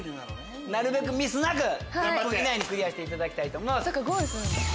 なるべくミスなく１分以内にクリアしていただきたいです。